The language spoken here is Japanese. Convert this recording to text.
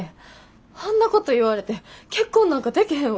あんなこと言われて結婚なんかでけへんわ。